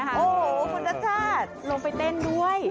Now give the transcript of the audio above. โอ้โหคุณชัชชาติลงไปเต้นด้วย